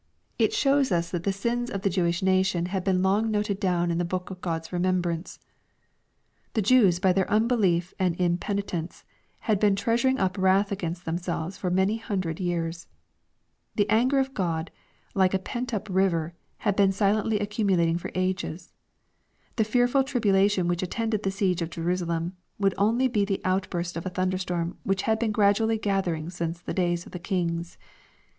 It shows us that the sins of the Jewish nation had been long noted down in the book of God's remembrance. 16* 370 EXPOSITORY THOUGHTS. The Jews by their unbelief and impenitence, had been treasuring up wrath against themselves for many hun dred years. The anger of God, like a pent up river, had been silently accumulating for ages. The fearful tribulation which attended the siege of Jerusalem, would on*y be the outburst of a thunderstorm which had been gradually gathering since the days of the kings.